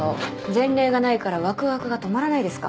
前例がないからワクワクが止まらないですか。